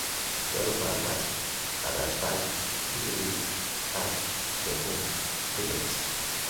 Kulen Vakuf was set ablaze by refugees and drunken rebels.